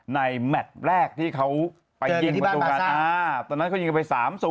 ในแมตต์แรกที่เขาไปยิงตอนนั้นเขายิงไป๓๐